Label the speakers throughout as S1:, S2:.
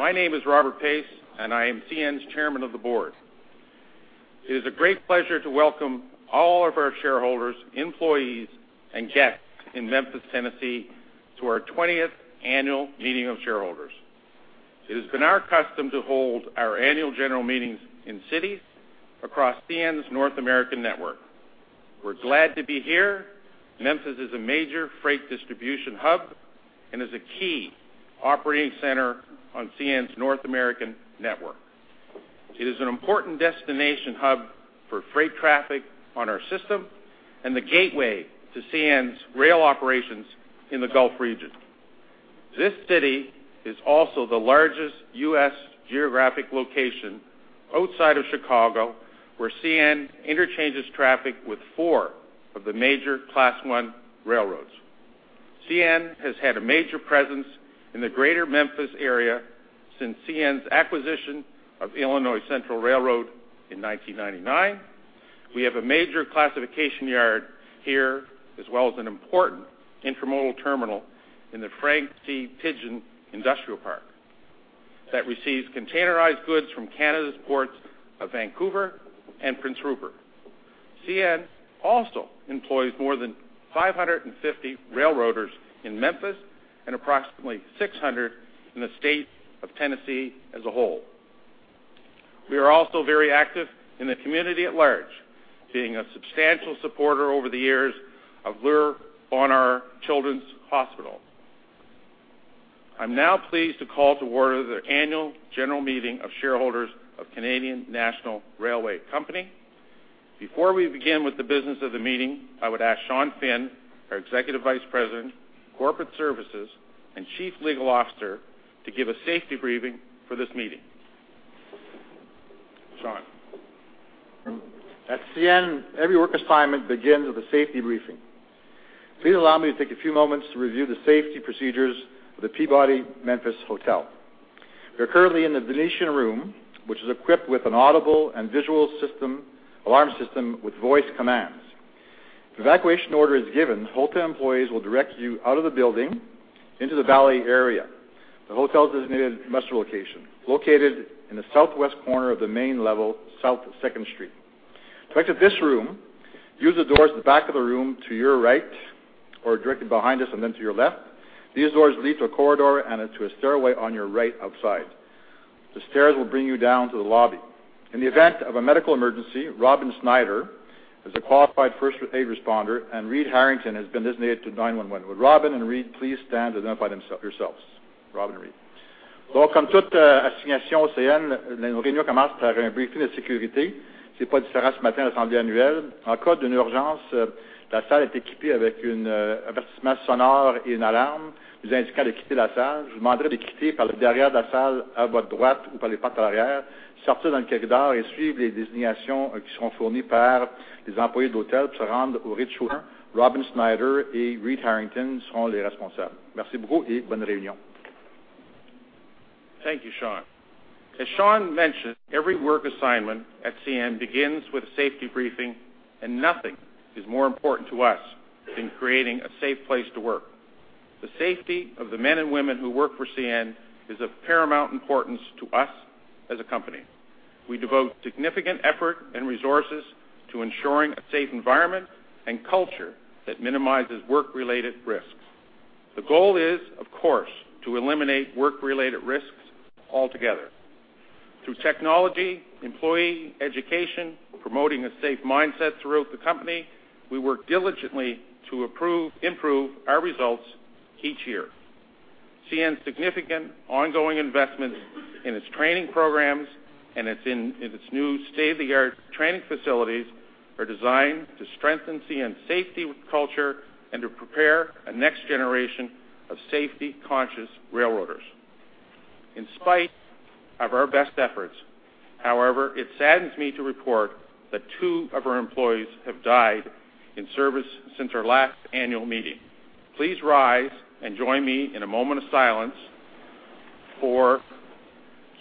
S1: ....My name is Robert Pace, and I am CN's Chairman of the Board. It is a great pleasure to welcome all of our shareholders, employees, and guests in Memphis, Tennessee, to our 20th annual meeting of shareholders. It has been our custom to hold our annual general meetings in cities across CN's North American network. We're glad to be here. Memphis is a major freight distribution hub and is a key operating center on CN's North American network. It is an important destination hub for freight traffic on our system and the gateway to CN's rail operations in the Gulf region. This city is also the largest U.S. geographic location outside of Chicago, where CN interchanges traffic with four of the major Class I railroads. CN has had a major presence in the greater Memphis area since CN's acquisition of Illinois Central Railroad in 1999. We have a major classification yard here, as well as an important intermodal terminal in the Frank C. Pidgeon Industrial Park that receives containerized goods from Canada's ports of Vancouver and Prince Rupert. CN also employs more than 550 railroaders in Memphis and approximately 600 in the state of Tennessee as a whole. We are also very active in the community at large, being a substantial supporter over the years of Le Bonheur Children's Hospital. I'm now pleased to call to order the annual general meeting of shareholders of Canadian National Railway Company. Before we begin with the business of the meeting, I would ask Sean Finn, our Executive Vice-President, Corporate Services, and Chief Legal Officer, to give a safety briefing for this meeting. Sean?
S2: At CN, every work assignment begins with a safety briefing. Please allow me to take a few moments to review the safety procedures of the Peabody Memphis Hotel. We are currently in the Venetian Room, which is equipped with an audible and visual system, alarm system with voice commands. If an evacuation order is given, hotel employees will direct you out of the building into the valet area, the hotel's designated muster location, located in the southwest corner of the main level, south of Second Street. To exit this room, use the doors at the back of the room to your right or directly behind us, and then to your left. These doors lead to a corridor and to a stairway on your right outside. The stairs will bring you down to the lobby. In the event of a medical emergency, Robin Snyder is a qualified first aid responder, and Reid Harrington has been designated to dial 911. Would Robin and Reid, please stand to identify yourselves? Robin and Reid.
S1: Thank you, Sean. As Sean mentioned, every work assignment at CN begins with a safety briefing, and nothing is more important to us than creating a safe place to work. The safety of the men and women who work for CN is of paramount importance to us as a company. We devote significant effort and resources to ensuring a safe environment and culture that minimizes work-related risks. The goal is, of course, to eliminate work-related risks altogether. Through technology, employee education, promoting a safe mindset throughout the company, we work diligently to improve our results each year. CN's significant ongoing investments in its training programs and its new state-of-the-art training facilities are designed to strengthen CN's safety culture and to prepare a next generation of safety-conscious railroaders. In spite of our best efforts, however, it saddens me to report that two of our employees have died in service since our last annual meeting. Please rise and join me in a moment of silence for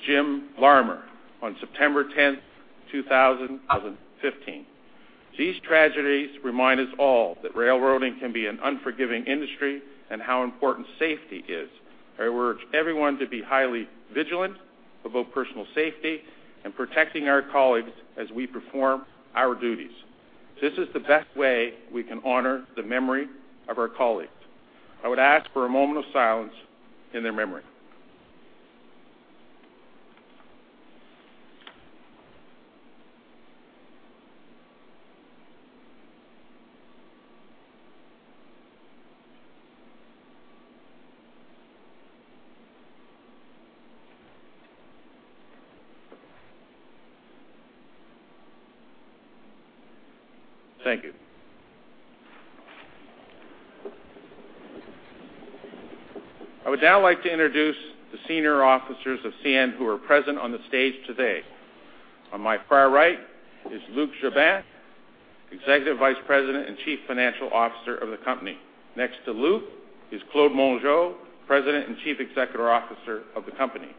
S1: Jim Larmer on September 10th, 2015. These tragedies remind us all that railroading can be an unforgiving industry, and how important safety is. I urge everyone to be highly vigilant about personal safety and protecting our colleagues as we perform our duties. This is the best way we can honor the memory of our colleagues. I would ask for a moment of silence in their memory. Thank you. I would now like to introduce the senior officers of CN who are present on the stage today. On my far right is Luc Jobin, Executive Vice President and Chief Financial Officer of the company. Next to Luc is Claude Mongeau, President and Chief Executive Officer of the company.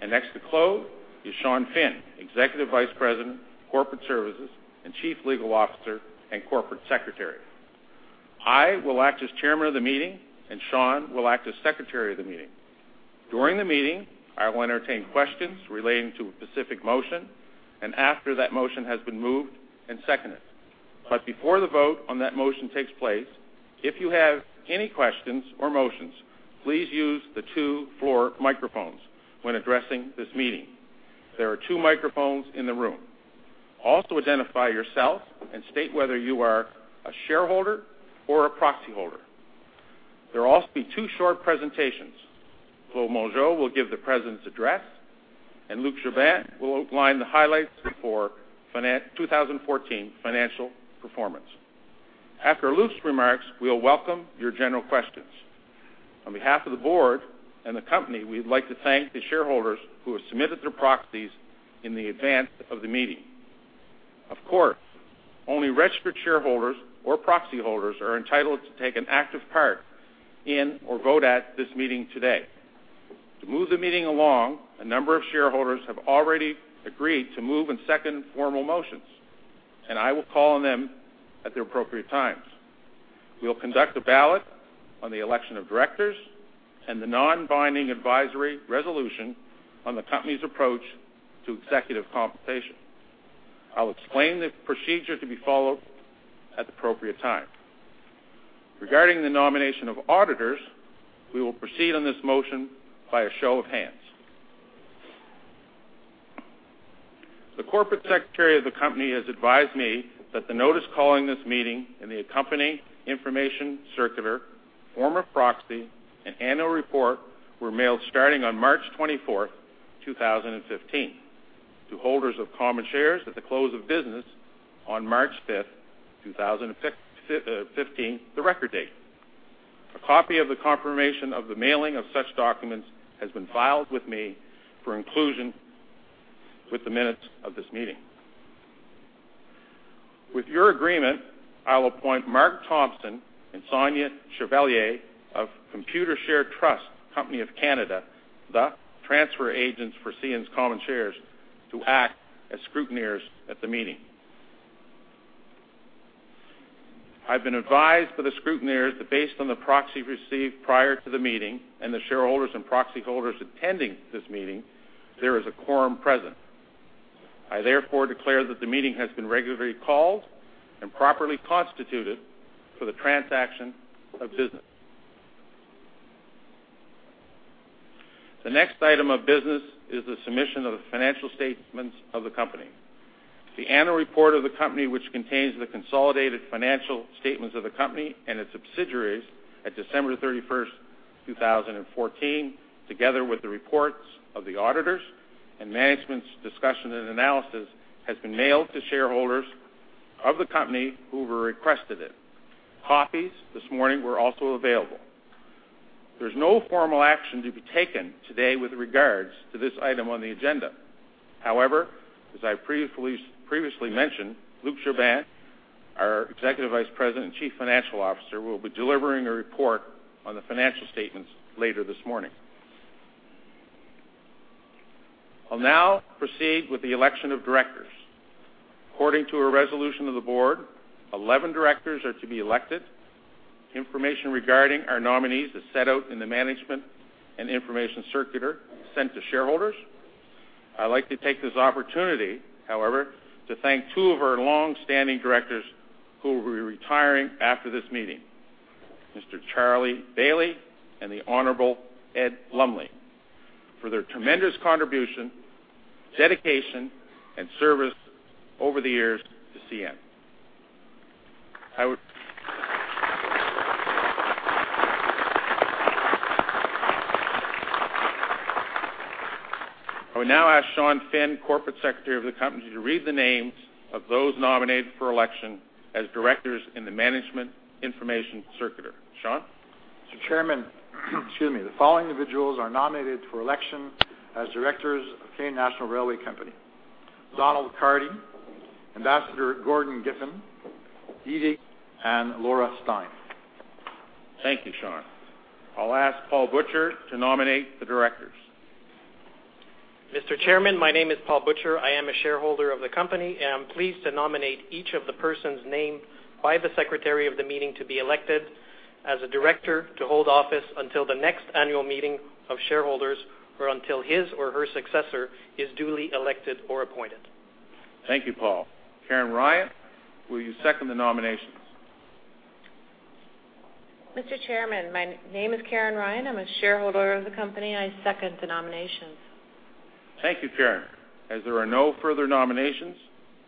S1: And next to Claude is Sean Finn, Executive Vice President, Corporate Services, and Chief Legal Officer and Corporate Secretary. I will act as Chairman of the meeting, and Sean will act as Secretary of the meeting. During the meeting, I will entertain questions relating to a specific motion, and after that motion has been moved and seconded. But before the vote on that motion takes place, if you have any questions or motions, please use the two floor microphones when addressing this meeting. There are two microphones in the room. Also, identify yourself and state whether you are a shareholder or a proxy holder. There will also be two short presentations. Claude Mongeau will give the President's Address, and Luc Jobin will outline the highlights for 2014 financial performance. After Luc's remarks, we'll welcome your general questions. On behalf of the board and the company, we'd like to thank the shareholders who have submitted their proxies in advance of the meeting. Of course, only registered shareholders or proxy holders are entitled to take an active part in or vote at this meeting today. To move the meeting along, a number of shareholders have already agreed to move and second formal motions, and I will call on them at the appropriate times. We will conduct a ballot on the election of directors and the non-binding advisory resolution on the company's approach to executive compensation. I'll explain the procedure to be followed at the appropriate time. Regarding the nomination of auditors, we will proceed on this motion by a show of hands. The corporate secretary of the company has advised me that the notice calling this meeting and the accompanying information circular, form of proxy, and annual report, were mailed starting on March 24, 2015, to holders of common shares at the close of business on March 5, 2015, the record date. A copy of the confirmation of the mailing of such documents has been filed with me for inclusion with the minutes of this meeting. With your agreement, I'll appoint Mark Thompson and Sonia Chevalier of Computershare Trust Company of Canada, the transfer agents for CN's common shares, to act as scrutineers at the meeting. I've been advised by the scrutineers that based on the proxy received prior to the meeting, and the shareholders and proxy holders attending this meeting, there is a quorum present. I therefore declare that the meeting has been regularly called and properly constituted for the transaction of business. The next item of business is the submission of the financial statements of the company. The annual report of the company, which contains the consolidated financial statements of the company and its subsidiaries at December 31, 2014, together with the reports of the auditors and management's discussion and analysis, has been mailed to shareholders of the company who requested it. Copies this morning were also available. There's no formal action to be taken today with regards to this item on the agenda. However, as I previously mentioned, Luc Jobin, our Executive Vice President and Chief Financial Officer, will be delivering a report on the financial statements later this morning. I'll now proceed with the election of directors. According to a resolution of the board, 11 directors are to be elected. Information regarding our nominees is set out in the management information circular sent to shareholders. I'd like to take this opportunity, however, to thank two of our long-standing directors who will be retiring after this meeting, Mr. A. Charles Baillie and the Honorable Ed Lumley, for their tremendous contribution, dedication, and service over the years to CN. I would now ask Sean Finn, Corporate Secretary of the company, to read the names of those nominated for election as directors in the management information circular. Sean?
S2: Mr. Chairman, excuse me. The following individuals are nominated for election as directors of Canadian National Railway Company: Donald Carty, Ambassador Gordon D. Giffin, Edith Holiday and Laura Stein.
S1: Thank you, Sean. I'll ask Paul Butcher to nominate the directors.
S3: Mr. Chairman, my name is Paul Butcher. I am a shareholder of the company, and I'm pleased to nominate each of the persons named by the secretary of the meeting to be elected as a director, to hold office until the next annual meeting of shareholders, or until his or her successor is duly elected or appointed.
S1: Thank you, Paul. Karen Ryan, will you second the nominations?
S4: Mr. Chairman, my name is Karen Ryan. I'm a shareholder of the company, and I second the nominations.
S1: Thank you, Karen. As there are no further nominations,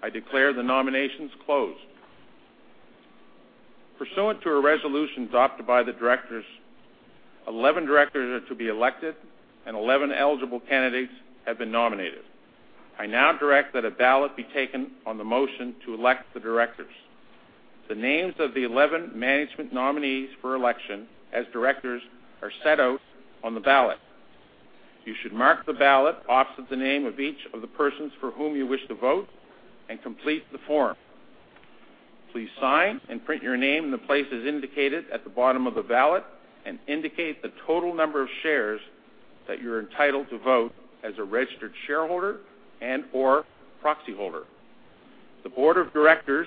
S1: I declare the nominations closed. Pursuant to a resolution adopted by the directors, eleven directors are to be elected, and eleven eligible candidates have been nominated. I now direct that a ballot be taken on the motion to elect the directors. The names of the eleven management nominees for election as directors are set out on the ballot. You should mark the ballot opposite the name of each of the persons for whom you wish to vote and complete the form. Please sign and print your name in the places indicated at the bottom of the ballot and indicate the total number of shares that you're entitled to vote as a registered shareholder and/or proxy holder. The board of directors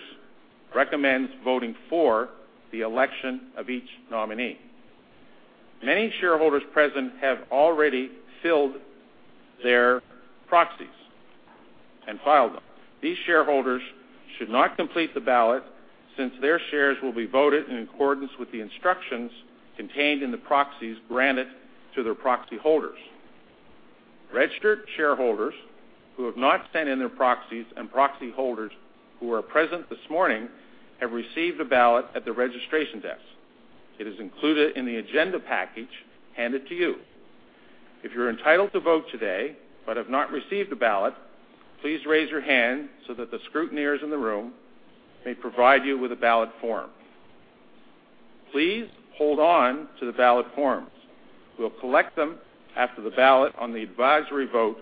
S1: recommends voting for the election of each nominee. Many shareholders present have already filled their proxies and filed them. These shareholders should not complete the ballot since their shares will be voted in accordance with the instructions contained in the proxies granted to their proxy holders. Registered shareholders who have not sent in their proxies, and proxy holders who are present this morning, have received a ballot at the registration desk. It is included in the agenda package handed to you. If you're entitled to vote today but have not received a ballot, please raise your hand so that the scrutineers in the room may provide you with a ballot form. Please hold on to the ballot forms. We'll collect them after the ballot on the advisory vote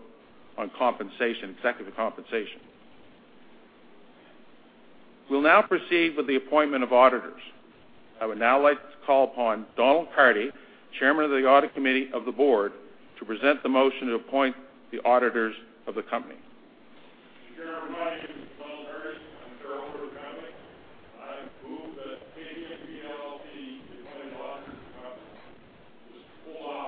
S1: on compensation, executive compensation. We'll now proceed with the appointment of auditors. I would now like to call upon Donald Carty, Chairman of the Audit Committee of the Board, to present the motion to appoint the auditors of the company.
S5: Mr. Chair, my name is Donald Carty. I'm a shareholder of the company. I move that KPMG LLP, the company's auditors, be appointed for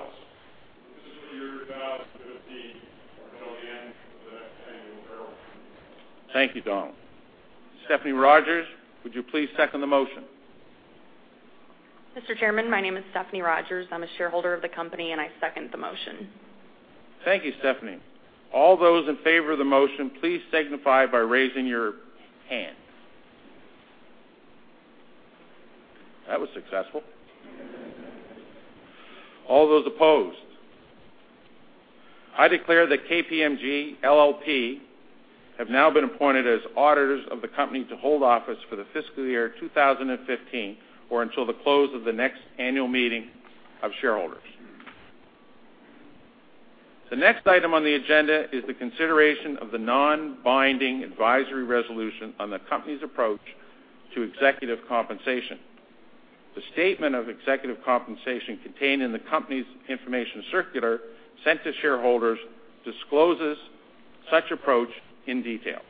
S5: the fiscal year 2015 until the end of the next annual term.
S1: Thank you, Donald. Stephanie Rogers, would you please second the motion?
S6: Mr. Chairman, my name is Stephanie Rogers. I'm a shareholder of the company, and I second the motion.
S1: Thank you, Stephanie. All those in favor of the motion, please signify by raising your hands. That was successful. All those opposed? I declare that KPMG LLP have now been appointed as auditors of the company to hold office for the fiscal year 2015, or until the close of the next annual meeting of shareholders. The next item on the agenda is the consideration of the non-binding advisory resolution on the company's approach to executive compensation. The statement of executive compensation contained in the company's information circular sent to shareholders discloses such approach in detail.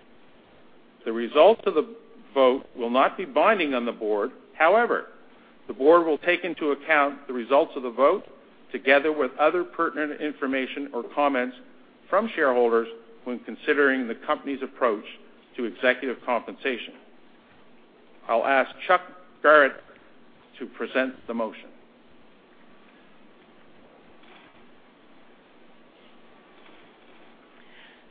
S1: The results of the vote will not be binding on the board. However, the board will take into account the results of the vote, together with other pertinent information or comments from shareholders when considering the company's approach to executive compensation. I'll ask Chuck Garrett to present the motion.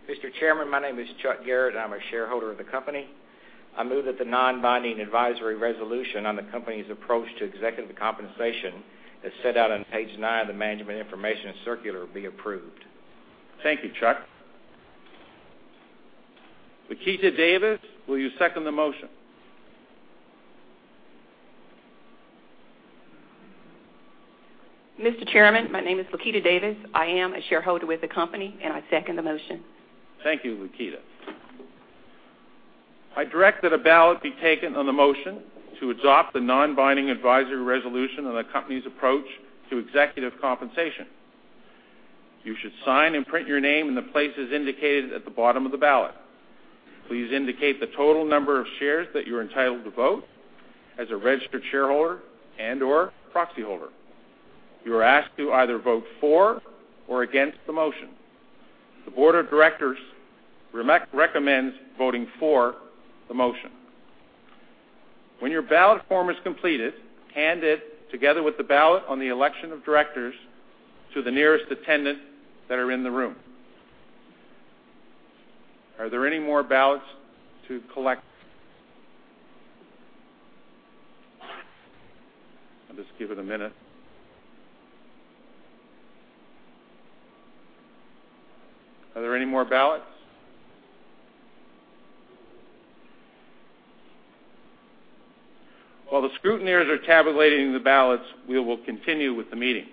S7: Mr. Chairman, my name is Chuck Garrett, and I'm a shareholder of the company. I move that the non-binding advisory resolution on the company's approach to executive compensation, as set out on page 9 of the Management Information Circular, be approved.
S1: Thank you, Chuck. Laketa Davis, will you second the motion?
S8: Mr. Chairman, my name is Laketa Davis. I am a shareholder with the company, and I second the motion.
S1: Thank you, Laketa. I direct that a ballot be taken on the motion to adopt the non-binding advisory resolution on the company's approach to executive compensation. You should sign and print your name in the places indicated at the bottom of the ballot. Please indicate the total number of shares that you're entitled to vote as a registered shareholder and/or proxy holder. You are asked to either vote for or against the motion. The board of directors recommends voting for the motion. When your ballot form is completed, hand it, together with the ballot on the election of directors, to the nearest attendant that are in the room. Are there any more ballots to collect? I'll just give it a minute. Are there any more ballots? While the scrutineers are tabulating the ballots, we will continue with the meeting.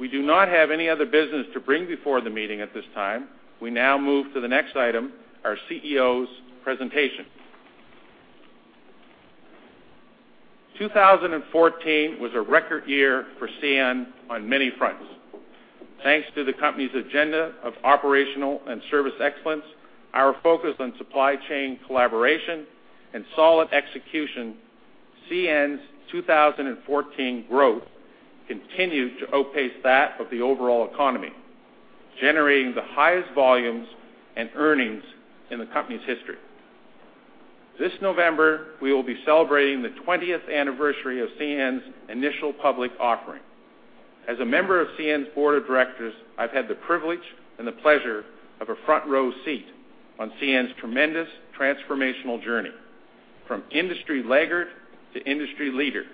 S1: We do not have any other business to bring before the meeting at this time. We now move to the next item, our CEO's presentation. 2014 was a record year for CN on many fronts. Thanks to the company's agenda of operational and service excellence, our focus on supply chain collaboration, and solid execution, CN's 2014 growth continued to outpace that of the overall economy, generating the highest volumes and earnings in the company's history. This November, we will be celebrating the 20th anniversary of CN's initial public offering. As a member of CN's board of directors, I've had the privilege and the pleasure of a front-row seat on CN's tremendous transformational journey, from industry laggard to industry leader.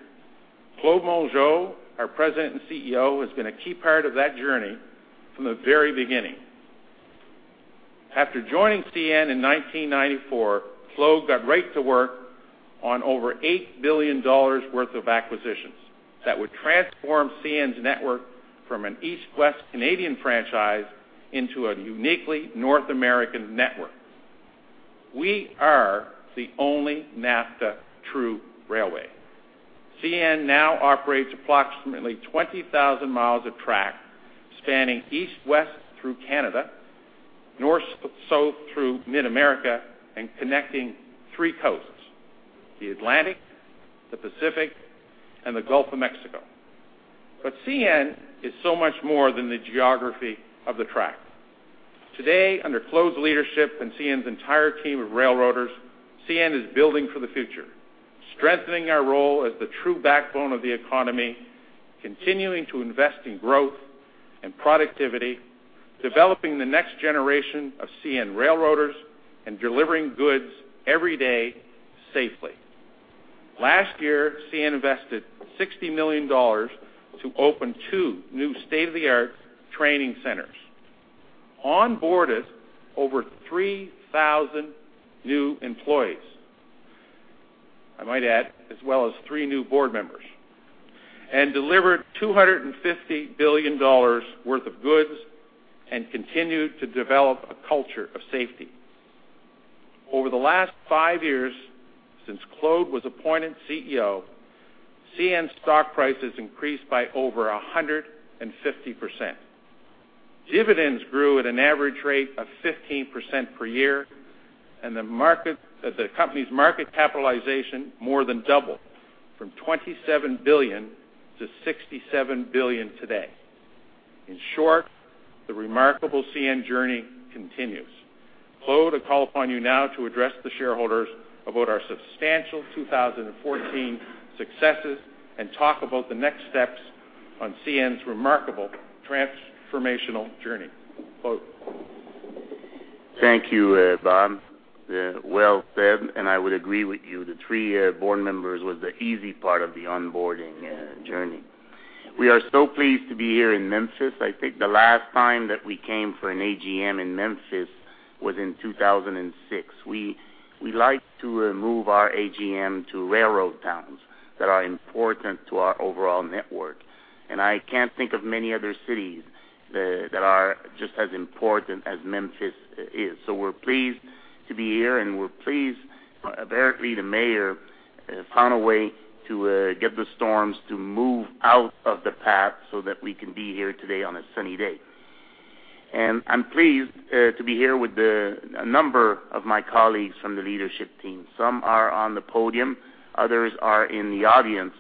S1: Claude Mongeau, our President and CEO, has been a key part of that journey from the very beginning. After joining CN in 1994, Claude got right to work on over $8 billion worth of acquisitions that would transform CN's network from an East-West Canadian franchise into a uniquely North American network. We are the only NAFTA true railway. CN now operates approximately 20,000 miles of track, spanning east-west through Canada, north-south through Mid-America, and connecting three coasts: the Atlantic, the Pacific, and the Gulf of Mexico. But CN is so much more than the geography of the track. Today, under Claude's leadership and CN's entire team of railroaders, CN is building for the future, strengthening our role as the true backbone of the economy, continuing to invest in growth and productivity, developing the next generation of CN railroaders, and delivering goods every day safely. Last year, CN invested $60 million to open two new state-of-the-art training centers, onboarded over 3,000 new employees, I might add, as well as three new board members, and delivered $250 billion worth of goods and continued to develop a culture of safety. Over the last five years, since Claude was appointed CEO, CN's stock price has increased by over 150%. Dividends grew at an average rate of 15% per year, and the market, the company's market capitalization more than doubled, from $27 billion-$67 billion today. In short, the remarkable CN journey continues. Claude, I call upon you now to address the shareholders about our substantial 2014 successes, and talk about the next steps on CN's remarkable transformational journey. Claude?
S9: Thank you, Robert. Yeah, well said, and I would agree with you, the three board members was the easy part of the onboarding journey. We are so pleased to be here in Memphis. I think the last time that we came for an AGM in Memphis was in 2006. We like to move our AGM to railroad towns that are important to our overall network, and I can't think of many other cities that are just as important as Memphis is. So we're pleased to be here, and we're pleased. Apparently, the mayor found a way to get the storms to move out of the path so that we can be here today on a sunny day. And I'm pleased to be here with a number of my colleagues from the leadership team. Some are on the podium, others are in the audience,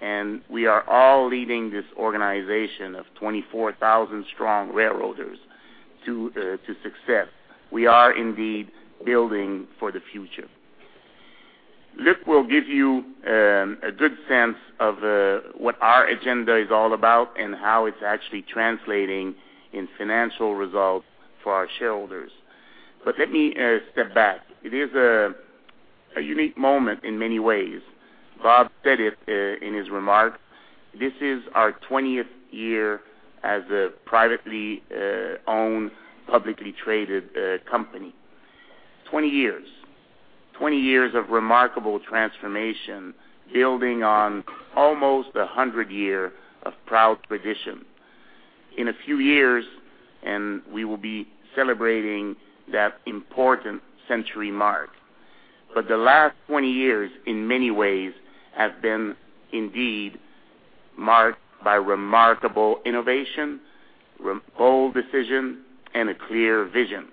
S9: and we are all leading this organization of 24,000 strong railroaders to, to success. We are indeed building for the future. Luc will give you, a good sense of, what our agenda is all about and how it's actually translating in financial results for our shareholders. But let me, step back. It is a, a unique moment in many ways. Bob said it, in his remarks; this is our 20th year as a privately, owned, publicly traded, company. 20 years. 20 years of remarkable transformation, building on almost a 100-year of proud tradition. In a few years, we will be celebrating that important century mark. But the last 20 years, in many ways, have been indeed marked by remarkable innovation, bold decision, and a clear vision.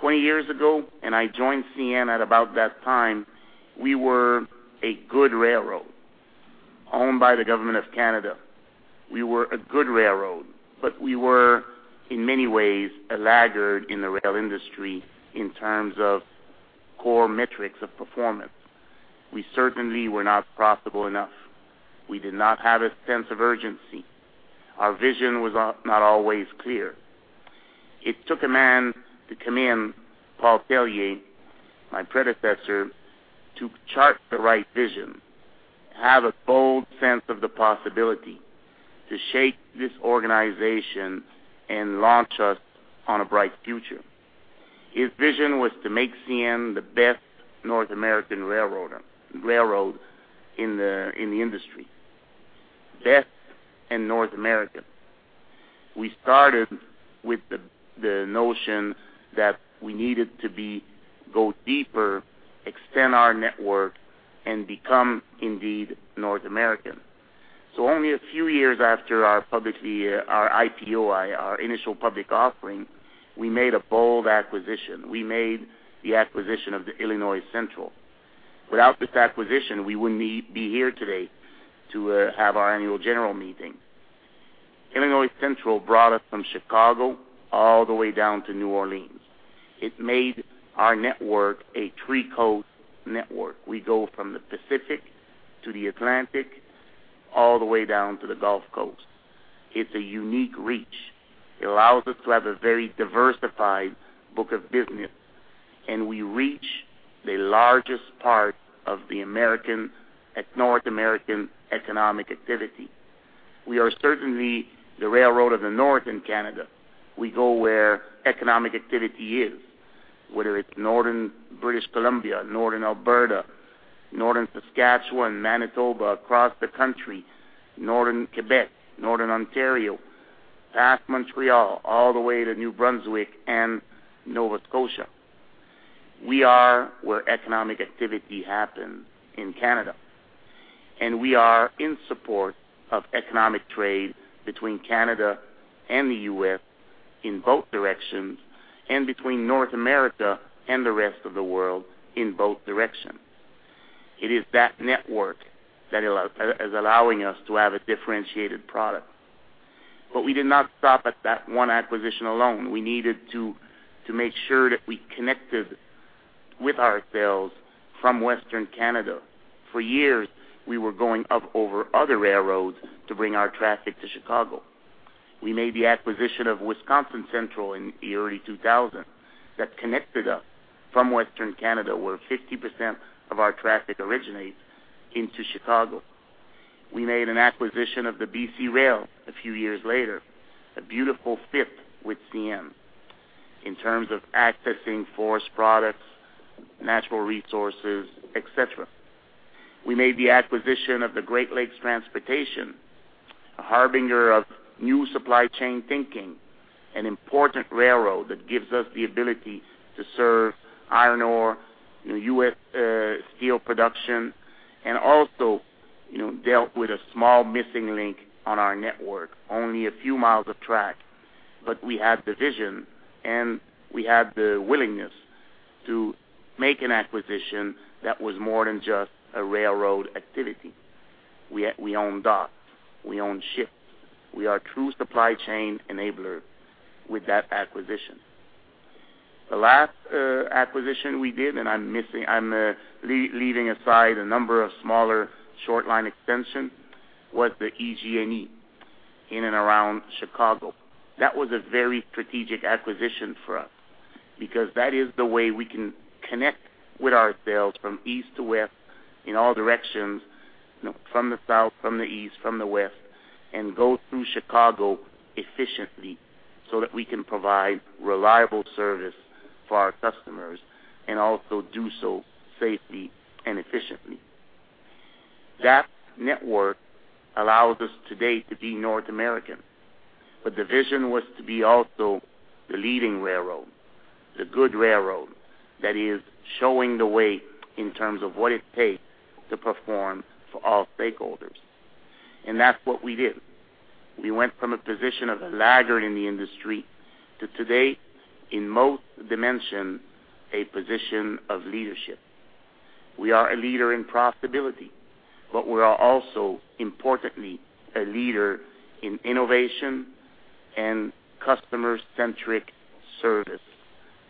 S9: 20 years ago, and I joined CN at about that time, we were a good railroad, owned by the government of Canada. We were a good railroad, but we were, in many ways, a laggard in the rail industry in terms of core metrics of performance. We certainly were not profitable enough. We did not have a sense of urgency. Our vision was not always clear. It took a man to come in, Paul Tellier, my predecessor, to chart the right vision, have a bold sense of the possibility to shape this organization and launch us on a bright future. His vision was to make CN the best North American railroader- railroad in the, in the industry, best in North America. We started with the, the notion that we needed to be, go deeper, extend our network, and become, indeed, North American. So only a few years after our publicly, our IPO, our initial public offering, we made a bold acquisition. We made the acquisition of the Illinois Central. Without this acquisition, we wouldn't be here today to have our annual general meeting. Illinois Central brought us from Chicago all the way down to New Orleans. It made our network a three-coast network. We go from the Pacific to the Atlantic, all the way down to the Gulf Coast. It's a unique reach. It allows us to have a very diversified book of business, and we reach the largest part of the American, at North American economic activity. We are certainly the railroad of the North in Canada. We go where economic activity is, whether it's northern British Columbia, northern Alberta, northern Saskatchewan, Manitoba, across the country, northern Quebec, northern Ontario.... past Montreal, all the way to New Brunswick and Nova Scotia. We are where economic activity happens in Canada, and we are in support of economic trade between Canada and the U.S. in both directions, and between North America and the rest of the world in both directions. It is that network that is allowing us to have a differentiated product. But we did not stop at that one acquisition alone. We needed to, to make sure that we connected with ourselves from Western Canada. For years, we were going up over other railroads to bring our traffic to Chicago. We made the acquisition of Wisconsin Central in the early 2000s that connected us from Western Canada, where 50% of our traffic originates, into Chicago. We made an acquisition of the BC Rail a few years later, a beautiful fit with CN in terms of accessing forest products, natural resources, et cetera. We made the acquisition of the Great Lakes Transportation, a harbinger of new supply chain thinking, an important railroad that gives us the ability to serve iron ore, US steel production, and also, you know, dealt with a small missing link on our network, only a few miles of track. But we had the vision and we had the willingness to make an acquisition that was more than just a railroad activity. We own docks, we own ships. We are a true supply chain enabler with that acquisition. The last acquisition we did, and I'm leaving aside a number of smaller short line extensions, was the EJ&E, in and around Chicago. That was a very strategic acquisition for us, because that is the way we can connect with ourselves from east to west, in all directions, you know, from the south, from the east, from the west, and go through Chicago efficiently, so that we can provide reliable service for our customers and also do so safely and efficiently. That network allows us today to be North American, but the vision was to be also the leading railroad, the good railroad that is showing the way in terms of what it takes to perform for all stakeholders. That's what we did. We went from a position of a laggard in the industry to today, in most dimensions, a position of leadership. We are a leader in profitability, but we are also, importantly, a leader in innovation and customer-centric service.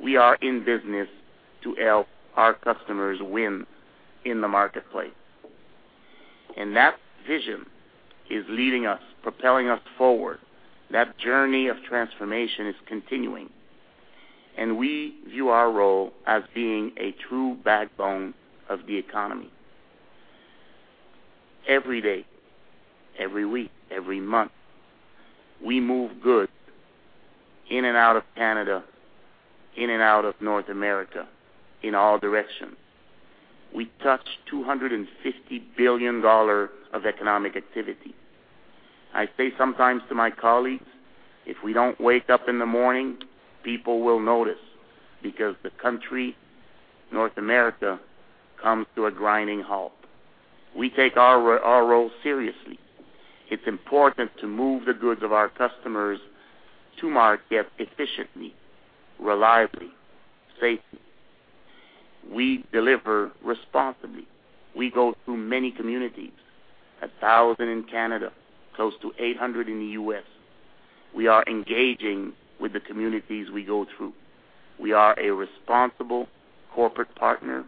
S9: We are in business to help our customers win in the marketplace, and that vision is leading us, propelling us forward. That journey of transformation is continuing, and we view our role as being a true backbone of the economy. Every day, every week, every month, we move goods in and out of Canada, in and out of North America, in all directions. We touch $250 billion of economic activity. I say sometimes to my colleagues, if we don't wake up in the morning, people will notice, because the country, North America, comes to a grinding halt. We take our role seriously. It's important to move the goods of our customers to market efficiently, reliably, safely. We deliver responsibly. We go through many communities, 1,000 in Canada, close to 800 in the US. We are engaging with the communities we go through. We are a responsible corporate partner.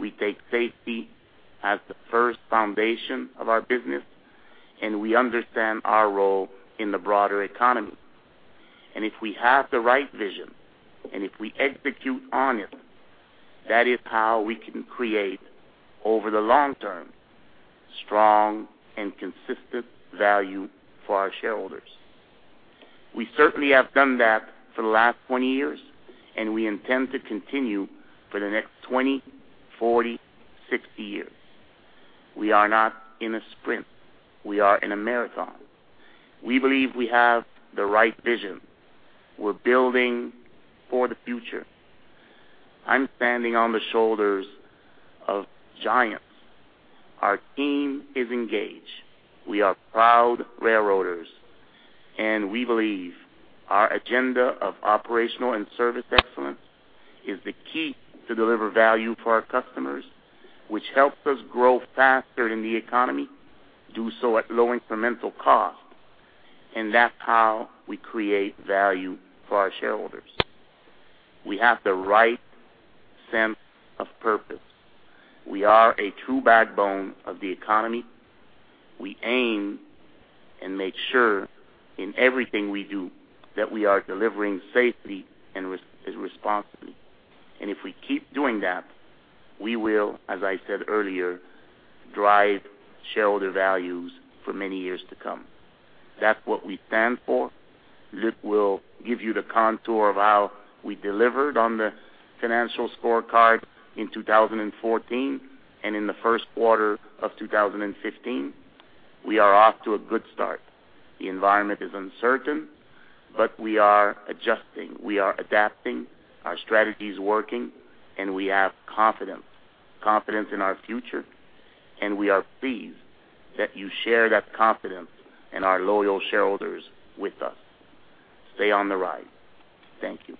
S9: We take safety as the first foundation of our business, and we understand our role in the broader economy. If we have the right vision, and if we execute on it, that is how we can create, over the long term, strong and consistent value for our shareholders. We certainly have done that for the last 20 years, and we intend to continue for the next 20, 40, 60 years. We are not in a sprint, we are in a marathon. We believe we have the right vision. We're building for the future. I'm standing on the shoulders of giants. Our team is engaged. We are proud railroaders, and we believe our agenda of operational and service excellence is the key to deliver value for our customers, which helps us grow faster than the economy, do so at low incremental cost, and that's how we create value for our shareholders. We have the right sense of purpose. We are a true backbone of the economy. We aim and make sure in everything we do, that we are delivering safely and responsibly. And if we keep doing that, we will, as I said earlier, drive shareholder values for many years to come. That's what we stand for. Luc will give you the contour of how we delivered on the financial scorecard in 2014 and in the first quarter of 2015. We are off to a good start. The environment is uncertain, but we are adjusting, we are adapting, our strategy is working, and we have confidence, confidence in our future, and we are pleased that you share that confidence in our loyal shareholders with us. Stay on the ride. Thank you.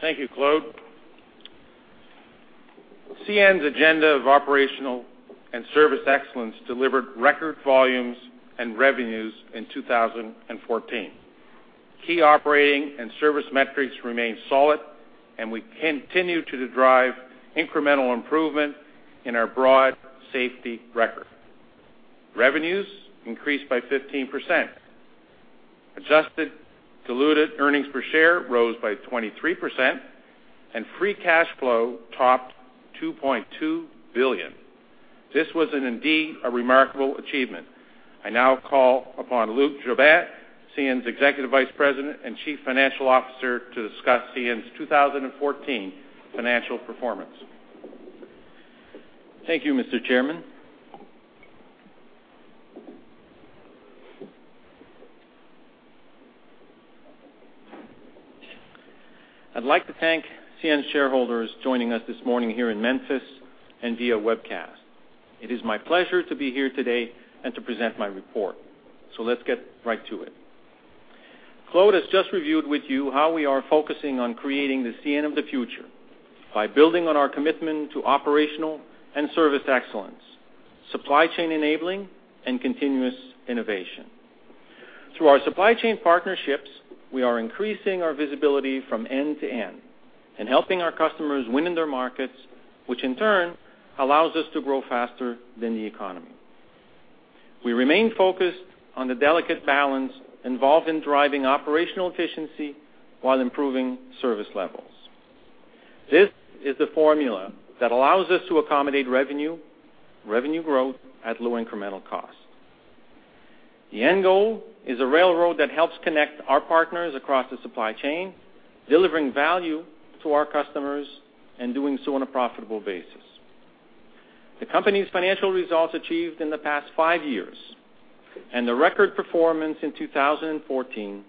S1: Thank you, Claude. CN's agenda of operational and service excellence delivered record volumes and revenues in 2014. Key operating and service metrics remain solid, and we continue to drive incremental improvement in our broad safety record. Revenues increased by 15%, adjusted diluted earnings per share rose by 23%, and free cash flow topped $2.2 billion. This was indeed a remarkable achievement. I now call upon Luc Jobin, CN's Executive Vice President and Chief Financial Officer, to discuss CN's 2014 financial performance. Thank you, Mr. Chairman. I'd like to thank CN shareholders joining us this morning here in Memphis and via webcast. It is my pleasure to be here today and to present my report, so let's get right to it. Claude has just reviewed with you how we are focusing on creating the CN of the future by building on our commitment to operational and service excellence, supply chain enabling, and continuous innovation. Through our supply chain partnerships, we are increasing our visibility from end to end and helping our customers win in their markets, which in turn allows us to grow faster than the economy. We remain focused on the delicate balance involved in driving operational efficiency while improving service levels. This is the formula that allows us to accommodate revenue, revenue growth at low incremental cost. The end goal is a railroad that helps connect our partners across the supply chain, delivering value to our customers and doing so on a profitable basis. The company's financial results achieved in the past five years, and the record performance in 2014,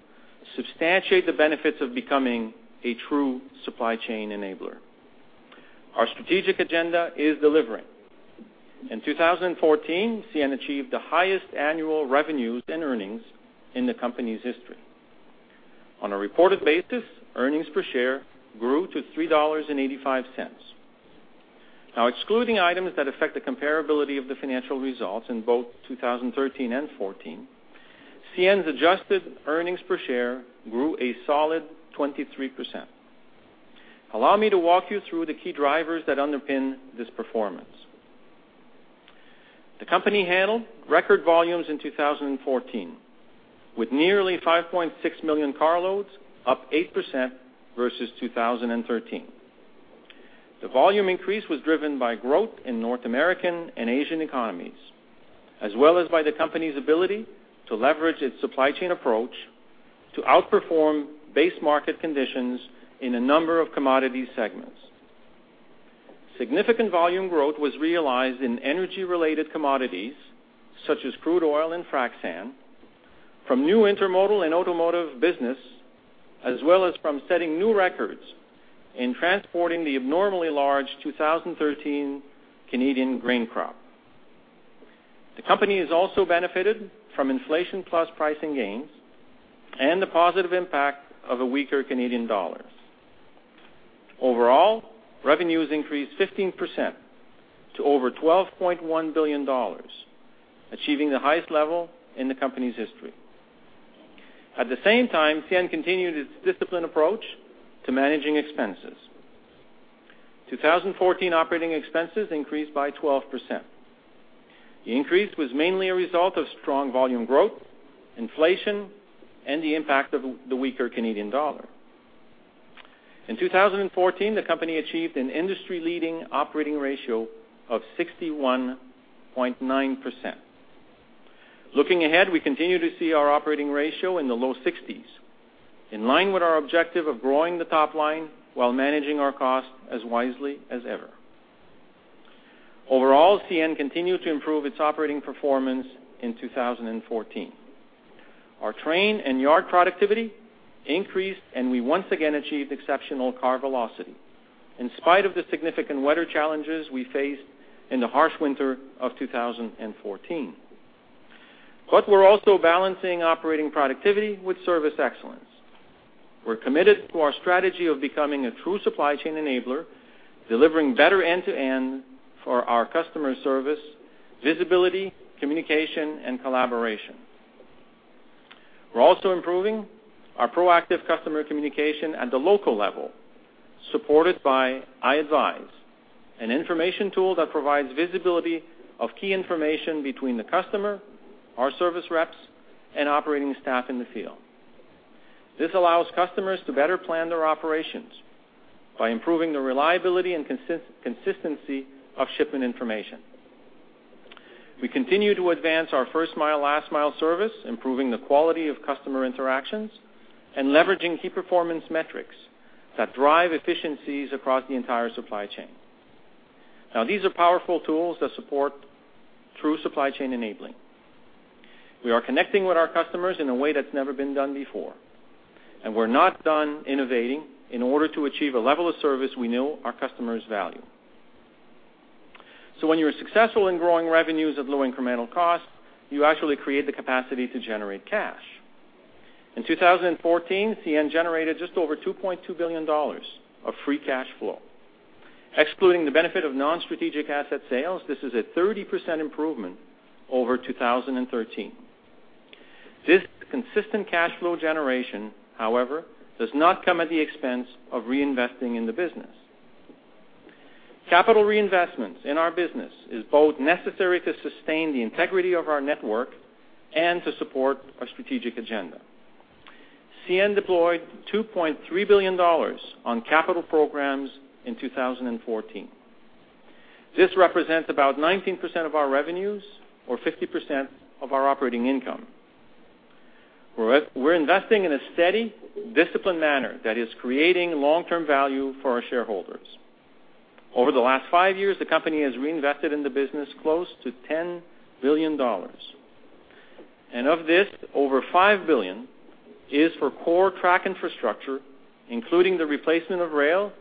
S1: substantiate the benefits of becoming a true supply chain enabler. Our strategic agenda is delivering. In 2014, CN achieved the highest annual revenues and earnings in the company's history. On a reported basis, earnings per share grew to $3.85. Now, excluding items that affect the comparability of the financial results in both 2013 and 2014, CN's adjusted earnings per share grew a solid 23%. Allow me to walk you through the key drivers that underpin this performance. The company handled record volumes in 2014, with nearly 5.6 million carloads, up 8% versus 2013. The volume increase was driven by growth in North American and Asian economies, as well as by the company's ability to leverage its supply chain approach to outperform base market conditions in a number of commodity segments. Significant volume growth was realized in energy-related commodities, such as crude oil and frac sand, from new intermodal and automotive business, as well as from setting new records in transporting the abnormally large 2013 Canadian grain crop. The company has also benefited from inflation plus pricing gains and the positive impact of a weaker Canadian dollar. Overall, revenues increased 15% to over $12.1 billion, achieving the highest level in the company's history. At the same time, CN continued its disciplined approach to managing expenses. 2014 operating expenses increased by 12%. The increase was mainly a result of strong volume growth, inflation, and the impact of the weaker Canadian dollar. In 2014, the company achieved an industry-leading operating ratio of 61.9%. Looking ahead, we continue to see our operating ratio in the low 60s, in line with our objective of growing the top line while managing our costs as wisely as ever. Overall, CN continued to improve its operating performance in 2014. Our train and yard productivity increased, and we once again achieved exceptional car velocity, in spite of the significant weather challenges we faced in the harsh winter of 2014. But we're also balancing operating productivity with service excellence. We're committed to our strategy of becoming a true supply chain enabler, delivering better end-to-end for our customer service, visibility, communication, and collaboration. We're also improving our proactive customer communication at the local level, supported by iAdvise, an information tool that provides visibility of key information between the customer, our service reps, and operating staff in the field. This allows customers to better plan their operations by improving the reliability and consistency of shipment information. We continue to advance our first mile, last mile service, improving the quality of customer interactions, and leveraging key performance metrics that drive efficiencies across the entire supply chain. Now, these are powerful tools that support true supply chain enabling. We are connecting with our customers in a way that's never been done before, and we're not done innovating in order to achieve a level of service we know our customers value. So when you are successful in growing revenues at low incremental costs, you actually create the capacity to generate cash. In 2014, CN generated just over $2.2 billion of free cash flow. Excluding the benefit of non-strategic asset sales, this is a 30% improvement over 2013. This consistent cash flow generation, however, does not come at the expense of reinvesting in the business. Capital reinvestments in our business is both necessary to sustain the integrity of our network and to support our strategic agenda. CN deployed $2.3 billion on capital programs in 2014. This represents about 19% of our revenues or 50% of our operating income. We're investing in a steady, disciplined manner that is creating long-term value for our shareholders. Over the last five years, the company has reinvested in the business close to $10 billion, and of this, over $5 billion is for core track infrastructure, including the replacement of rail,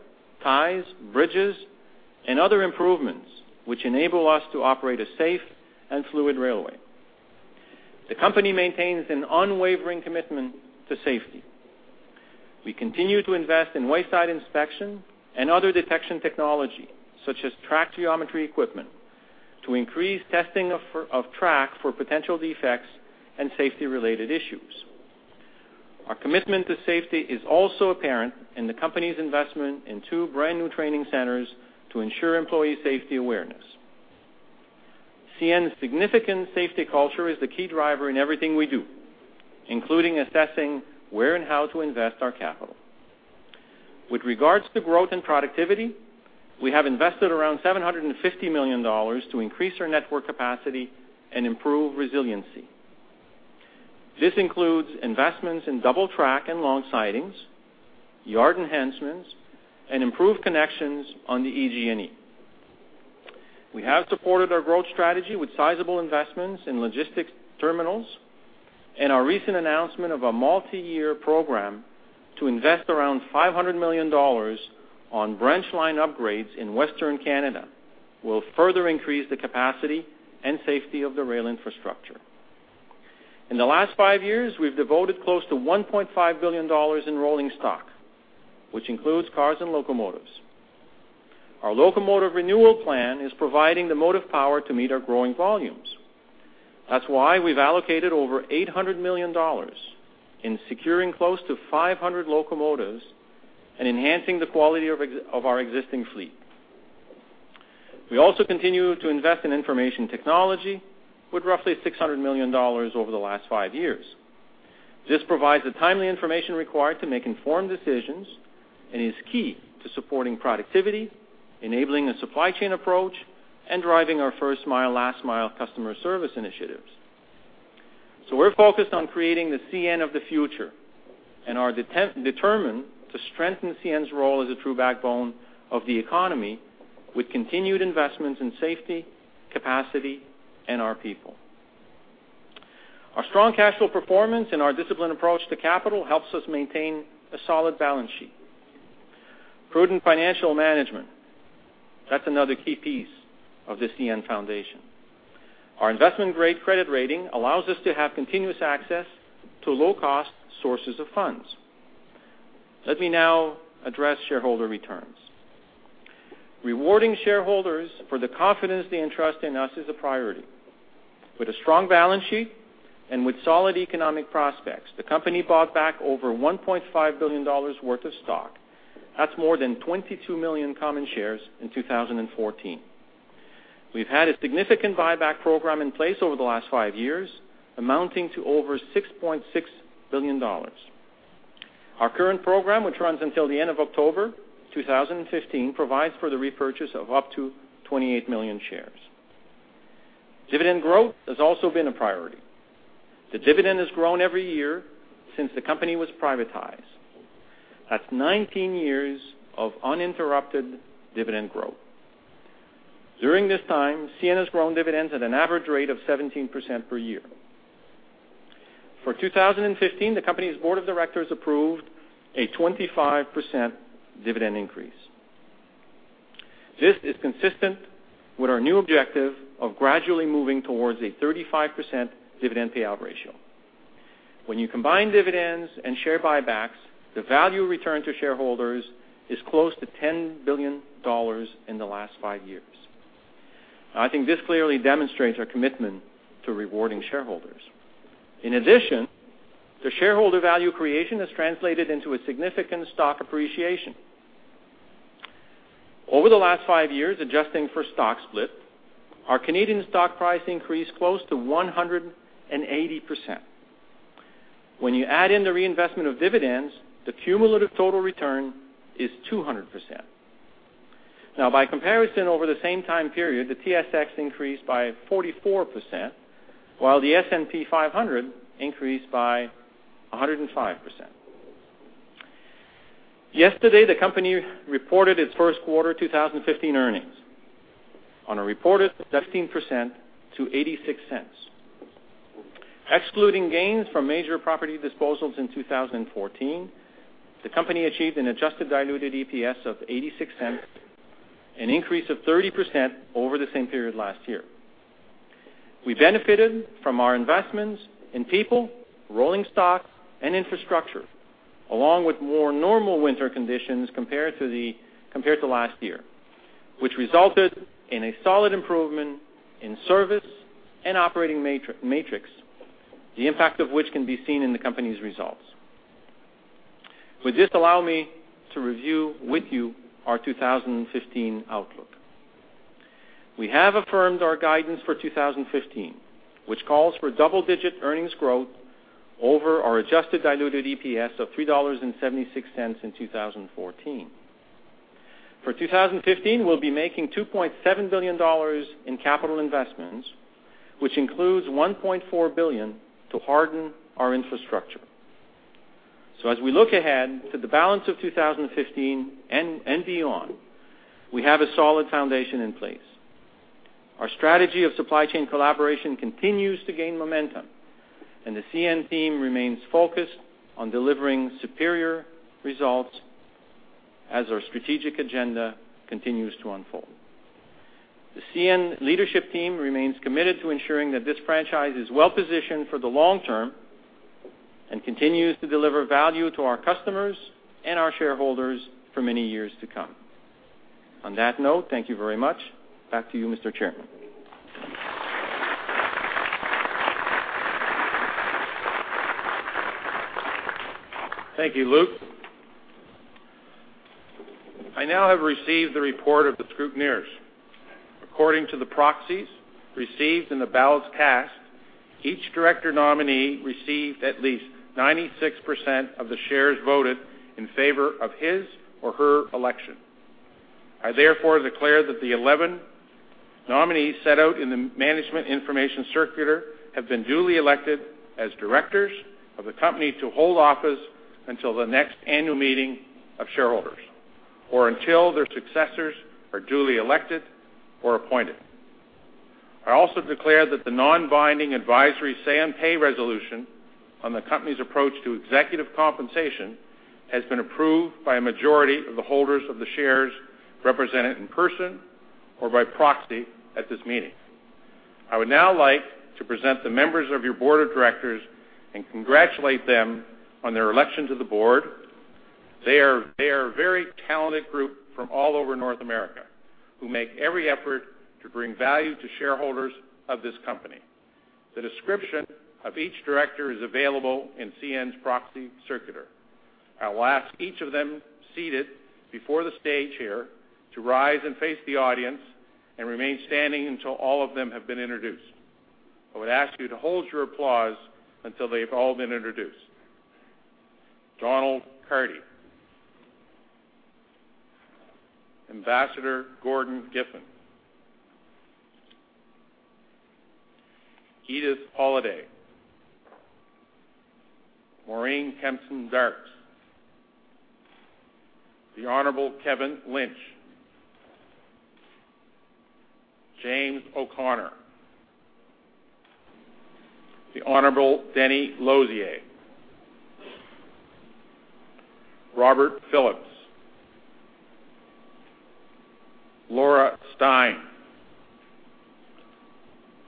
S1: ties, bridges, and other improvements, which enable us to operate a safe and fluid railway. The company maintains an unwavering commitment to safety. We continue to invest in wayside inspection and other detection technology, such as track geometry equipment, to increase testing of track for potential defects and safety-related issues. Our commitment to safety is also apparent in the company's investment in two brand-new training centers to ensure employee safety awareness. CN's significant safety culture is the key driver in everything we do, including assessing where and how to invest our capital. With regards to growth and productivity, we have invested around $750 million to increase our network capacity and improve resiliency. This includes investments in double track and long sidings, yard enhancements, and improved connections on the EJ&E. We have supported our growth strategy with sizable investments in logistics terminals, and our recent announcement of a multi-year program to invest around $500 million on branchline upgrades in Western Canada will further increase the capacity and safety of the rail infrastructure. In the last five years, we've devoted close to $1.5 billion in rolling stock, which includes cars and locomotives. Our locomotive renewal plan is providing the motive power to meet our growing volumes. That's why we've allocated over $800 million in securing close to 500 locomotives and enhancing the quality of our existing fleet. We also continue to invest in information technology with roughly $600 million over the last five years. This provides the timely information required to make informed decisions and is key to supporting productivity, enabling a supply chain approach, and driving our first mile, last mile customer service initiatives. So we're focused on creating the CN of the future and are determined to strengthen CN's role as a true backbone of the economy with continued investments in safety, capacity, and our people. Our strong cash flow performance and our disciplined approach to capital helps us maintain a solid balance sheet. Prudent financial management, that's another key piece of the CN foundation. Our investment-grade credit rating allows us to have continuous access to low-cost sources of funds. Let me now address shareholder returns. Rewarding shareholders for the confidence they entrust in us is a priority. With a strong balance sheet and with solid economic prospects, the company bought back over $1.5 billion worth of stock. That's more than 22 million common shares in 2014. We've had a significant buyback program in place over the last 5 years, amounting to over $6.6 billion. Our current program, which runs until the end of October 2015, provides for the repurchase of up to 28 million shares. Dividend growth has also been a priority. The dividend has grown every year since the company was privatized. That's 19 years of uninterrupted dividend growth. During this time, CN has grown dividends at an average rate of 17% per year. For 2015, the company's board of directors approved a 25% dividend increase. This is consistent with our new objective of gradually moving towards a 35% dividend payout ratio. When you combine dividends and share buybacks, the value returned to shareholders is close to $10 billion in the last five years. I think this clearly demonstrates our commitment to rewarding shareholders. In addition, the shareholder value creation has translated into a significant stock appreciation. Over the last five years, adjusting for stock split, our Canadian stock price increased close to 180%. When you add in the reinvestment of dividends, the cumulative total return is 200%. Now, by comparison, over the same time period, the TSX increased by 44%, while the S&P 500 increased by 105%. Yesterday, the company reported its first quarter 2015 earnings on a reported 16% to $0.86. Excluding gains from major property disposals in 2014, the company achieved an adjusted diluted EPS of $0.86, an increase of 30% over the same period last year. We benefited from our investments in people, rolling stock, and infrastructure, along with more normal winter conditions compared to last year, which resulted in a solid improvement in service and operating metrics, the impact of which can be seen in the company's results. With this, allow me to review with you our 2015 outlook. We have affirmed our guidance for 2015, which calls for double-digit earnings growth over our adjusted diluted EPS of $3.76 in 2014. For 2015, we'll be making $2.7 billion in capital investments, which includes $1.4 billion to harden our infrastructure. So as we look ahead to the balance of 2015 and beyond, we have a solid foundation in place. Our strategy of supply chain collaboration continues to gain momentum, and the CN team remains focused on delivering superior results as our strategic agenda continues to unfold. The CN leadership team remains committed to ensuring that this franchise is well-positioned for the long term and continues to deliver value to our customers and our shareholders for many years to come. On that note, thank you very much. Back to you, Mr. Chairman. Thank you, Luc. I now have received the report of the scrutineers. According to the proxies received and the ballots cast, each director nominee received at least 96% of the shares voted in favor of his or her election. I, therefore, declare that the 11 nominees set out in the management information circular have been duly elected as directors of the company to hold office until the next annual meeting of shareholders or until their successors are duly elected or appointed. I also declare that the non-binding advisory say on pay resolution on the company's approach to executive compensation has been approved by a majority of the holders of the shares represented in person or by proxy at this meeting. I would now like to present the members of your board of directors and congratulate them on their election to the board. They are a very talented group from all over North America who make every effort to bring value to shareholders of this company. The description of each director is available in CN's proxy circular. I'll ask each of them seated before the stage here to rise and face the audience and remain standing until all of them have been introduced. I would ask you to hold your applause until they've all been introduced. Donald Carty. Ambassador Gordon D. Giffin. Edith Holiday. Maureen Kempston Darkes. The Honorable Kevin Lynch. James O'Connor. The Honorable Denis Losier. Robert Phillips. Laura Stein.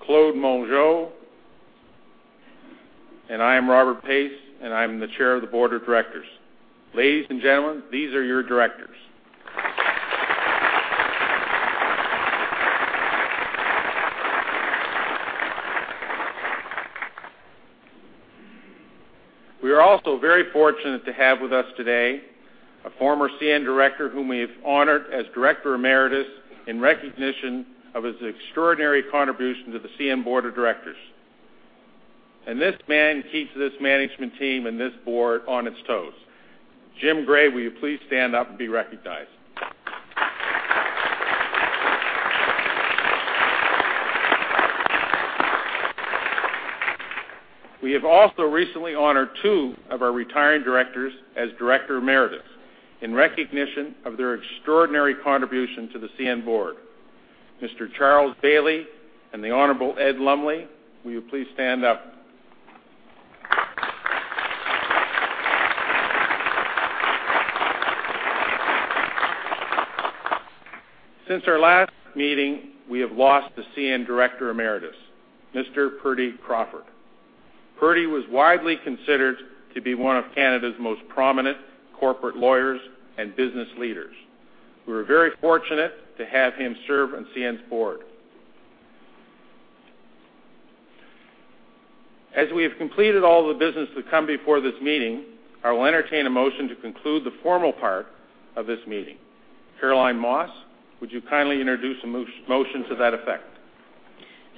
S1: Claude Mongeau, and I am Robert Pace, and I'm the Chair of the Board of Directors. Ladies and gentlemen, these are your directors. We are also very fortunate to have with us today a former CN director, whom we have honored as director emeritus, in recognition of his extraordinary contribution to the CN board of directors. This man keeps this management team and this board on its toes. Jim Gray, will you please stand up and be recognized? We have also recently honored two of our retiring directors as director emeritus in recognition of their extraordinary contribution to the CN board. Mr. A. Charles Baillie and the Honorable Ed Lumley, will you please stand up? Since our last meeting, we have lost the CN director emeritus, Mr. Purdy Crawford. Purdy was widely considered to be one of Canada's most prominent corporate lawyers and business leaders. We were very fortunate to have him serve on CN's board. As we have completed all the business to come before this meeting, I will entertain a motion to conclude the formal part of this meeting. Caroline Moss, would you kindly introduce a motion to that effect?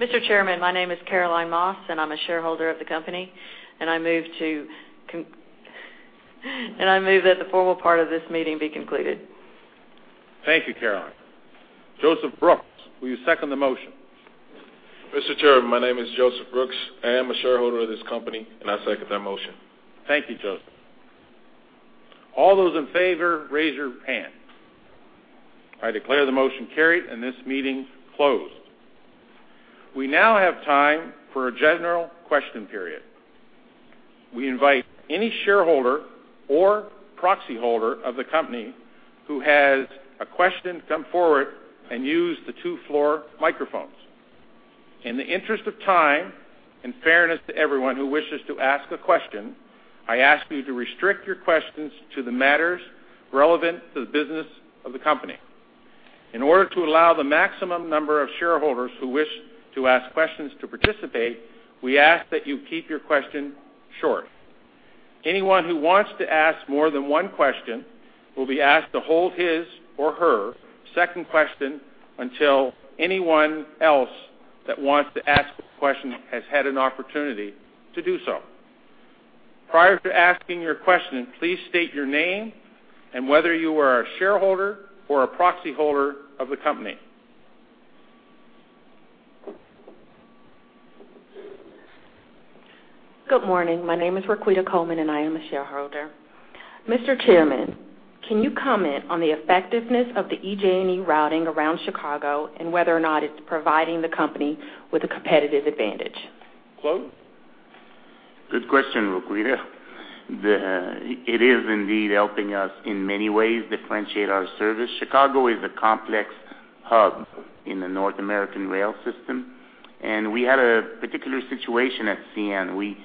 S10: Mr. Chairman, my name is Caroline Moss, and I'm a shareholder of the company, and I move that the formal part of this meeting be concluded.
S1: Thank you, Caroline. Joseph Brooks, will you second the motion?
S11: Mr. Chairman, my name is Joseph Brooks. I am a shareholder of this company, and I second that motion.
S1: Thank you, Joseph. All those in favor, raise your hand. I declare the motion carried, and this meeting is closed. We now have time for a general question period. We invite any shareholder or proxy holder of the company who has a question, come forward and use the two floor microphones. In the interest of time and fairness to everyone who wishes to ask a question, I ask you to restrict your questions to the matters relevant to the business of the company. In order to allow the maximum number of shareholders who wish to ask questions to participate, we ask that you keep your question short. Anyone who wants to ask more than one question will be asked to hold his or her second question until anyone else that wants to ask a question has had an opportunity to do so. Prior to asking your question, please state your name and whether you are a shareholder or a proxy holder of the company.
S12: Good morning. My name is Requita Coleman, and I am a shareholder. Mr. Chairman, can you comment on the effectiveness of the EJ&E routing around Chicago and whether or not it's providing the company with a competitive advantage?
S1: Claude?
S9: Good question, Requita. It is indeed helping us in many ways, differentiate our service. Chicago is a complex hub in the North American rail system, and we had a particular situation at CN. We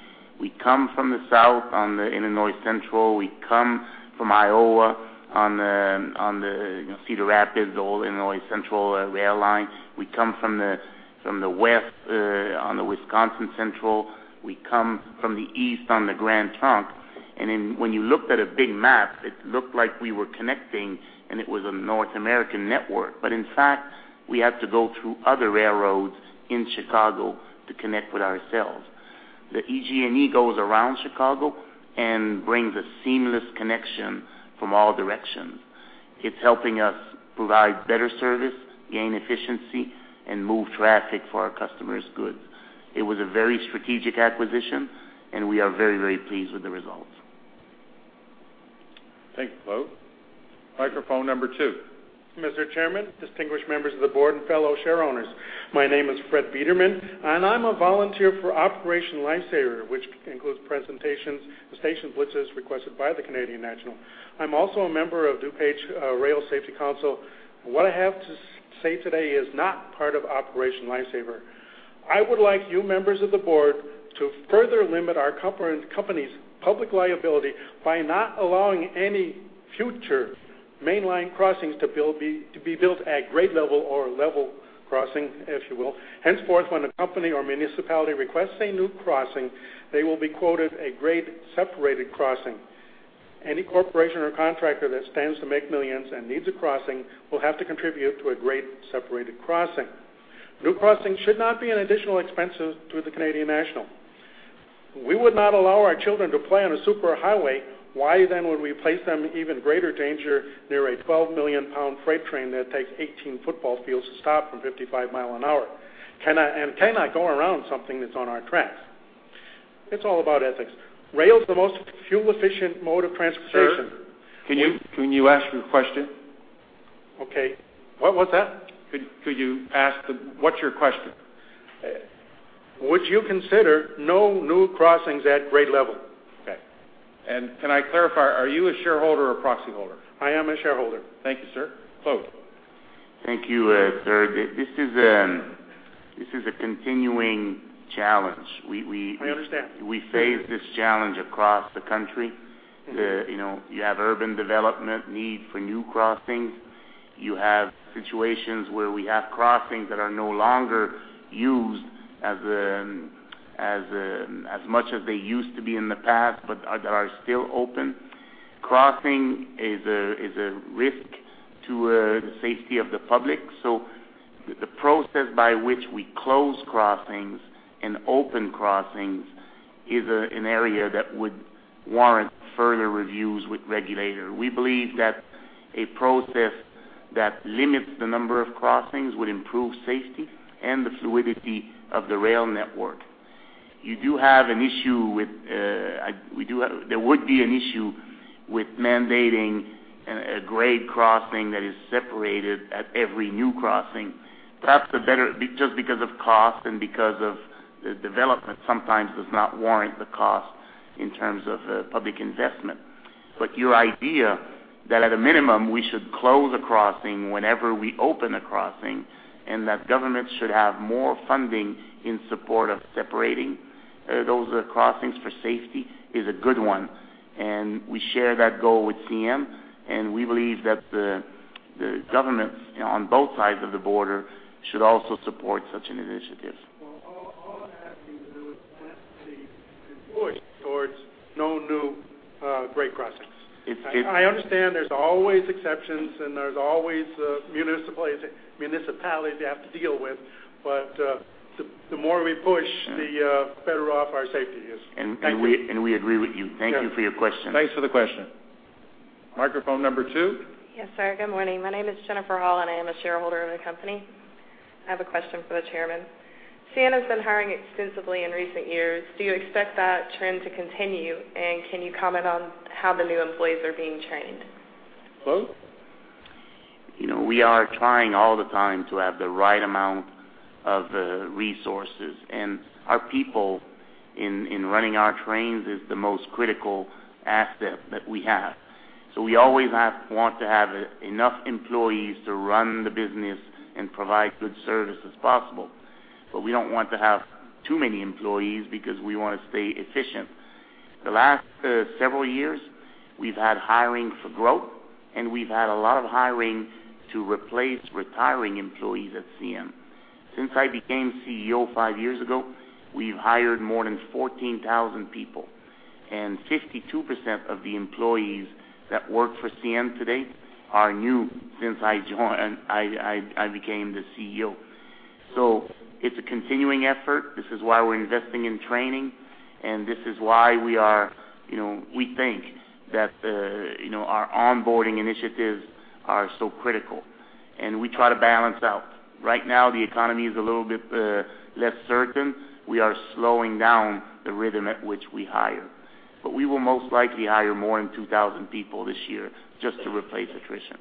S9: come from the south on the Illinois Central. We come from Iowa, on the you know, Cedar Rapids, all Illinois Central rail line. We come from the west on the Wisconsin Central. We come from the east on the Grand Trunk, and then when you looked at a big map, it looked like we were connecting, and it was a North American network. But in fact, we had to go through other railroads in Chicago to connect with ourselves. The EJ&E goes around Chicago and brings a seamless connection from all directions. It's helping us provide better service, gain efficiency, and move traffic for our customers' goods. It was a very strategic acquisition, and we are very, very pleased with the results.
S1: Thank you, Claude. Microphone number two.
S13: Mr. Chairman, distinguished members of the board, and fellow shareowners. My name is Fred Biederman, and I'm a volunteer for Operation Lifesaver, which includes presentations, the station blitzes, requested by the Canadian National. I'm also a member of DuPage Rail Safety Council. What I have to say today is not part of Operation Lifesaver. I would like you, members of the board, to further limit our company's public liability by not allowing any future mainline crossings to be built at grade level or level crossing, if you will. Henceforth, when a company or municipality requests a new crossing, they will be quoted a grade separated crossing. Any corporation or contractor that stands to make millions and needs a crossing will have to contribute to a grade separated crossing. New crossings should not be an additional expense to the Canadian National. We would not allow our children to play on a superhighway. Why, then, would we place them in even greater danger near a 12-million-pound freight train that takes 18 football fields to stop from 55 miles an hour? Can I go around something that's on our tracks? It's all about ethics. Rail is the most fuel-efficient mode of transportation-
S1: Sir, can you ask your question?
S13: Okay. What was that?
S1: Could you ask the... What's your question?
S13: Would you consider no new crossings at grade level?
S1: Okay. Can I clarify, are you a shareholder or proxy holder?
S13: I am a shareholder.
S1: Thank you, sir. Claude?
S9: Thank you, sir. This is a continuing challenge. We-
S13: I understand.
S9: We face this challenge across the country.
S13: Mm-hmm.
S9: You know, you have urban development need for new crossings. You have situations where we have crossings that are no longer used as as much as they used to be in the past, but are still open. Crossing is a risk to the safety of the public, so the process by which we close crossings and open crossings is an area that would warrant further reviews with regulator. We believe that a process that limits the number of crossings would improve safety and the fluidity of the rail network. You do have an issue with, we do have there would be an issue with mandating a grade crossing that is separated at every new crossing. Perhaps a better just because of cost and because of the development, sometimes does not warrant the cost in terms of public investment. But your idea that, at a minimum, we should close a crossing whenever we open a crossing, and that government should have more funding in support of separating those crossings for safety, is a good one, and we share that goal with CN, and we believe that the governments on both sides of the border should also support such an initiative.
S13: Well, all I'm asking you to do is to push towards no new grade crossings. I understand there's always exceptions, and there's always municipalities you have to deal with, but the more we push, the better off our safety is. Thank you.
S9: And we agree with you. Thank you for your question.
S2: Thanks for the question.
S1: Microphone number two.
S14: Yes, sir. Good morning. My name is Jennifer Hall, and I am a shareholder of the company. I have a question for the chairman. CN has been hiring extensively in recent years. Do you expect that trend to continue, and can you comment on how the new employees are being trained?
S1: Claude?
S9: You know, we are trying all the time to have the right amount of resources, and our people in running our trains is the most critical asset that we have. So we always want to have enough employees to run the business and provide good service as possible. But we don't want to have too many employees because we wanna stay efficient. The last several years, we've had hiring for growth, and we've had a lot of hiring to replace retiring employees at CN. Since I became CEO five years ago, we've hired more than 14,000 people, and 52% of the employees that work for CN today are new since I became the CEO. So it's a continuing effort. This is why we're investing in training, and this is why we are, you know, we think that, you know, our onboarding initiatives are so critical, and we try to balance out. Right now, the economy is a little bit less certain. We are slowing down the rhythm at which we hire, but we will most likely hire more than 2,000 people this year just to replace attrition.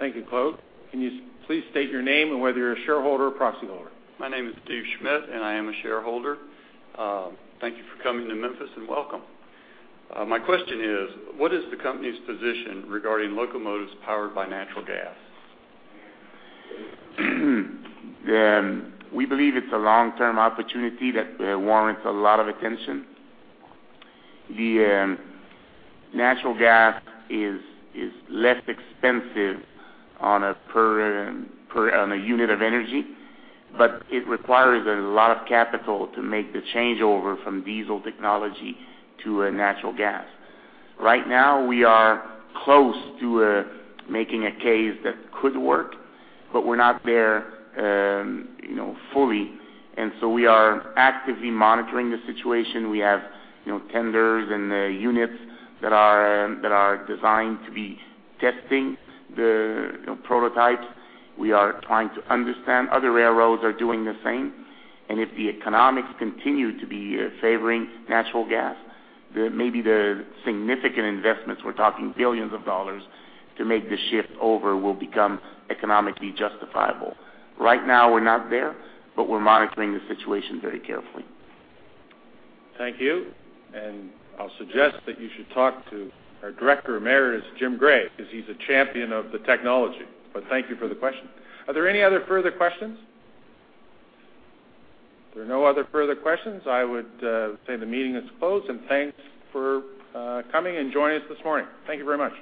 S1: Thank you, Claude. Can you please state your name and whether you're a shareholder or proxy holder?
S15: My name is Dave Schmidt, and I am a shareholder. Thank you for coming to Memphis, and welcome. My question is: What is the company's position regarding locomotives powered by natural gas?
S9: We believe it's a long-term opportunity that warrants a lot of attention. The natural gas is less expensive on a per unit of energy, but it requires a lot of capital to make the changeover from diesel technology to natural gas. Right now, we are close to making a case that could work, but we're not there, you know, fully, and so we are actively monitoring the situation. We have, you know, tenders and units that are designed to be testing the, you know, prototypes. We are trying to understand. Other railroads are doing the same, and if the economics continue to be favoring natural gas, maybe the significant investments, we're talking billions of dollars to make the shift over will become economically justifiable. Right now, we're not there, but we're monitoring the situation very carefully.
S1: Thank you, and I'll suggest that you should talk to our Director Emeritus, Jim Gray, 'cause he's a champion of the technology, but thank you for the question. Are there any other further questions? If there are no other further questions, I would say the meeting is closed, and thanks for coming and joining us this morning. Thank you very much.